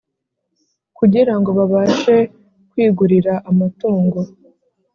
kugirango babashe kwigurira amatungo